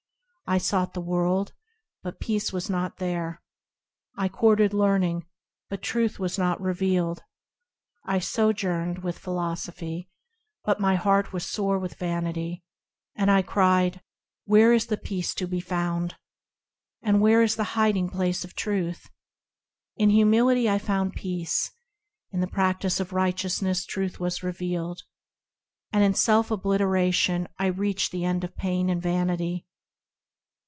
I sought the world, but peace was not there ; I courted learning, but Truth was not revealed I sojourned with philosophy, but my heart was sore with vanity And I cried, " where is peace to be found ? And where is the hiding place of Truth ?" In Humility I found peace, In the practice of righteousness Truth was. revealed ; And in self obliteration I reached the end of pain and vanity.